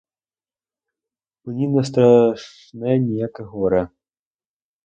Мені не страшне ніяке горе!